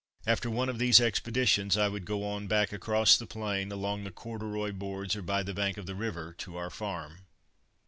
After one of these expeditions I would go on back across the plain, along the corduroy boards or by the bank of the river, to our farm.